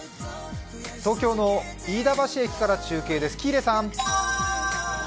東京の飯田橋駅から中継です。